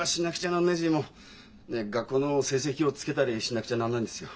なんないしもう学校の成績表つけたりしなくちゃなんないんですよ。